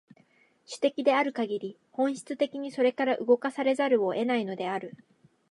種的であるかぎり、本質的にそれから動かされざるを得ないのである。